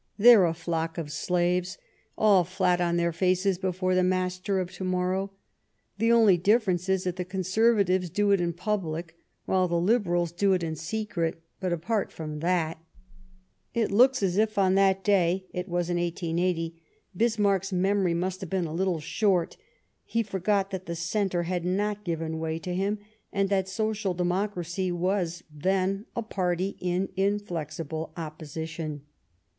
They're a flock of slaves, all flat on their faces before the master of to morrow. The only difference is that the Conservatives do it in public, while the Liberals do it in secret. But apart from that ..." It looks as if on that day — it was in 1880 — Bis marck's memory must have been a little short ; he forgot that the Centre had not given way to him, and that Social Democracy was — then — a party in inflexible opposition.